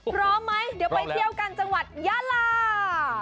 พร้อมไหมเดี๋ยวไปเที่ยวกันจังหวัดยาลา